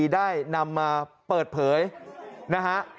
ได้นำมาเปิดเผยนะฮะ